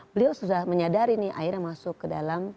beliau sudah menyadari ini akhirnya masuk ke dalam